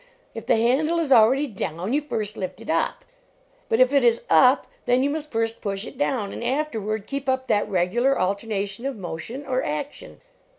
If the handle is 50 LEARNING TO WORK already down, you first lift it up, but if it is up, then you must first push it down, and afterward keep up that regular alternation of motion or action.